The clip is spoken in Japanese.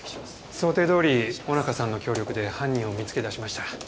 想定どおり尾中さんの協力で犯人を見つけ出しました。